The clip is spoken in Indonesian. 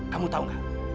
kamu tahu gak